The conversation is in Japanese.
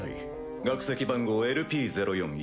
学籍番号ＬＰ０４１。